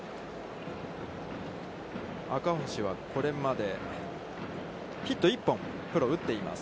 赤星はこれまでヒット１本、プロで打っています。